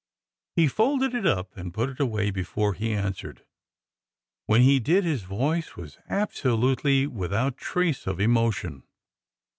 He folded it up and put it away before he answered. When he did, his voice was absolutely without trace of emotion.